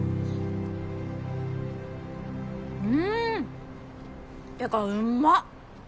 うんってかうまっ！